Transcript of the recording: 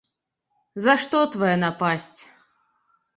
За што твая напасць?!.